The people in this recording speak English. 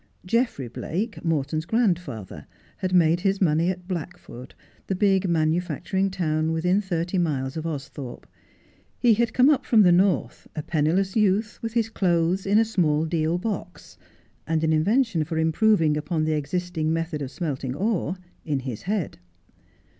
Geoffrey Blake, Morton's grandfather, had made his money at Blackford, the big manufacturing town within thirty miles of Austhorpe. He had come up from the north, a penniless youth, with his clothes in a small deal box, and an invention for improv ing upon the existing method of smelting ore in his head.